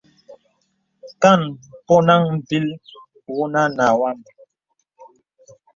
Kàn mpɔnaŋ m̀bìl wunə nà wam.